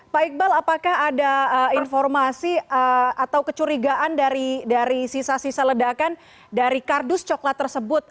pak iqbal apakah ada informasi atau kecurigaan dari sisa sisa ledakan dari kardus coklat tersebut